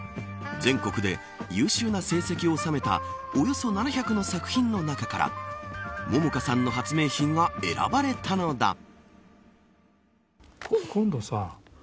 全国で優秀な成績を収めたおよそ７００の作品の中から杏果さんの発明品が選ばれたのだ。